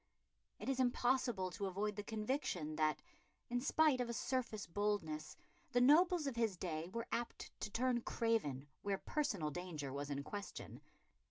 It is impossible to avoid the conviction that, in spite of a surface boldness, the nobles of his day were apt to turn craven where personal danger was in question.